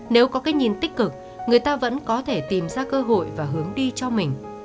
nếu có cái nhìn tích cực người ta vẫn có thể tìm ra cơ hội và hướng đi cho mình